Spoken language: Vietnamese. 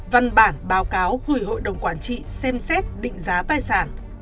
văn bản báo cáo gửi hội đồng quản trị xem xét định giá tài sản